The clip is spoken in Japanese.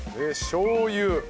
しょう油。